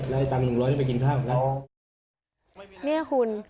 แล้วอีก๓๐๐บาทให้ไปกินข้าวอีกแล้ว